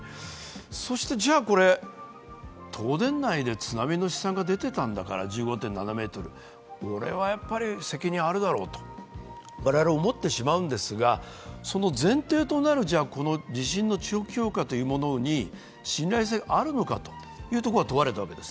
そしてじゃこれ東電内で１５．７ｍの津波の試算が出ていたんだからこれはやっぱり責任あるだろうと我々は思ってしまうんですが、その前提となる地震の長期評価というものに信頼性があるのかということが問われたわけです。